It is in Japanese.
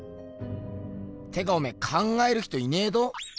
てかおめぇ「考える人」いねえど。